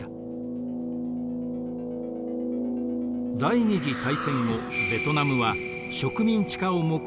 第二次大戦後ベトナムは植民地化をもくろむ